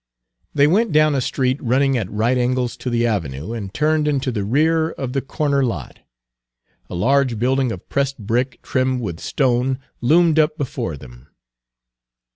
Page 237 They went down a street running at right angles to the avenue, and turned into the rear of the corner lot. A large building of pressed brick, trimmed with stone, loomed up before them.